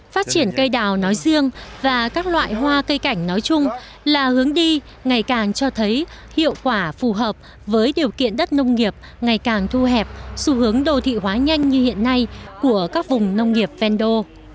phát triển cây đào nói riêng và các loại hoa cây cảnh nói chung là hướng đi ngày càng cho thấy hiệu quả phù hợp với điều kiện đất nông nghiệp ngày càng thu hẹp xu hướng đô thị hóa nhanh như hiện nay của các vùng nông nghiệp vendo